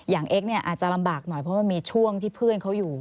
เอ็กซเนี่ยอาจจะลำบากหน่อยเพราะมันมีช่วงที่เพื่อนเขาอยู่